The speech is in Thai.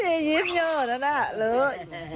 นี่นี่ยิ้มเยอะแล้วน่ะลุ้ม